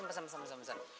eh pesan pesan pesan pesan